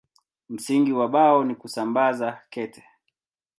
Msingi wa Bao ni kusambaza kete.